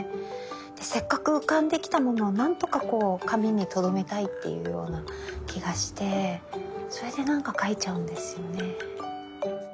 せっかく浮かんできたものを何とか紙にとどめたいっていうような気がしてそれでなんか描いちゃうんですよね。